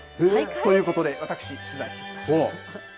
ということで、私、取材してきま